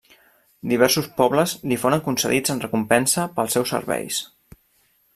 Diversos pobles li foren concedits en recompensa pels seus serveis.